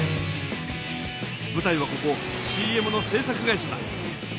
ぶたいはここＣＭの制作会社だ。